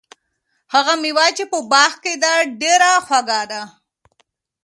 هغه مېوه چې په باغ کې ده، ډېره خوږه ده.